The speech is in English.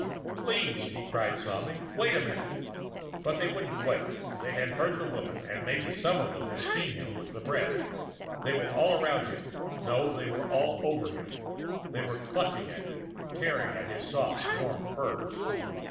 "Please!" he cried, sobbing. "Wait a minute!" But they weren't waiting. They had heard the woman and maybe some of them had seen him with the bread. They were all around him no, they were all over him; they were clutching at him, tearing at his soft, warm furs.